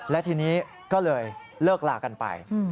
และทีนี้ก็เลยเลิกลากันไป